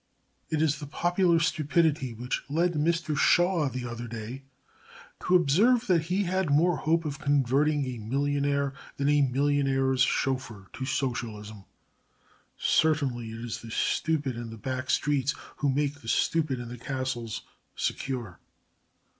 It is the popular stupidity which led Mr Shaw the other day to observe that he had more hope of converting a millionaire than a millionaire's chauffeur to Socialism. Certainly it is the stupid in the back streets who make the stupid in the castles secure.